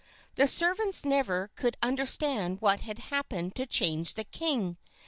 The servants never could understand what had happened to change the king.